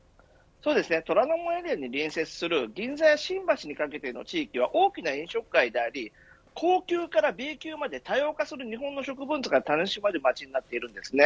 虎ノ門エリアに隣接する銀座や新橋にかけての地域は大きな飲食街であり高級からＢ級まで、多様化する日本の食文化が楽しめる街です。